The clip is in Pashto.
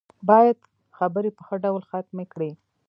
بايد خبرې په ښه ډول ختمې کړي.